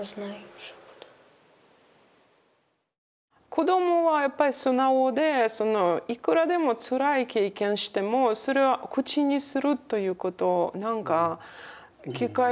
子どもはやっぱり素直でそのいくらでもつらい経験してもそれは口にするということをなんか機会が少ないかなと思って